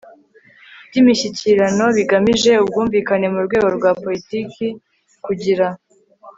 by'imishyikirano bigamije ubwumvikane mu rwego rwa poritiki. kugira